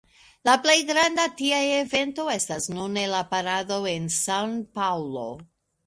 La plej granda tia evento estas nune la parado en San-Paŭlo.